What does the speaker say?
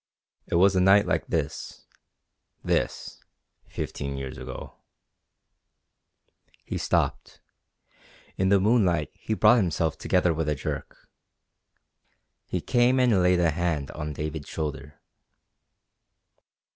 "It was a night like this this fifteen years ago...." He stopped. In the moonlight he brought himself together with a jerk. He came and laid a hand on David's shoulder.